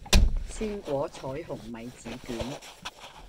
鮮果彩虹米紙卷